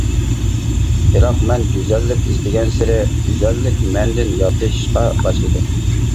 بىراق، مەن گۈزەللىك ئىزدىگەنسېرى گۈزەللىك مەندىن ياتلىشىشقا باشلىدى.